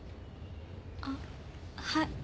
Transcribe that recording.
あっはい。